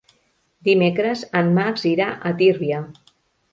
Dimecres en Max irà a Tírvia.